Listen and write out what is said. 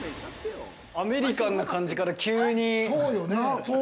アメリカンな感じから急に。